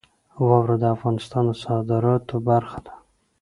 واوره د افغانستان د صادراتو برخه ده.